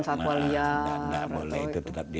satwa liar tidak boleh itu tetap